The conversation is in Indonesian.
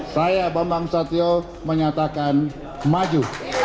saya bambang susatyo menyatakan maju